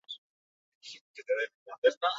Galesko mugatik oso hurbil kokatzen da.